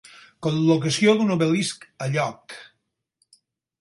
Col·locació d'un obelisc a lloc.